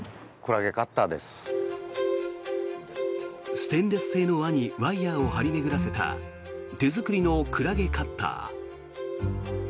ステンレス製の輪にワイヤを張り巡らせた手作りのクラゲカッター。